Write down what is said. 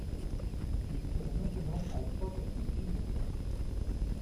Il serait maintenant à trois virgule six pourcent.